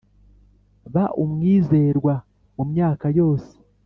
ba umwizerwa mu myaka yose.